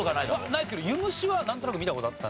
ないですけどユムシはなんとなく見た事あったんで。